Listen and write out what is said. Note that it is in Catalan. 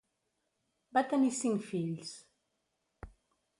Va tenir cinc fills: